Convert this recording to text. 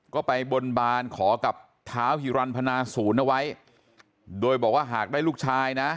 ก็ไปบนบานขอกับเท้าฮิรันพนาศูนย์เอาไว้โดยบอกว่าหากได้ลูกชายนะ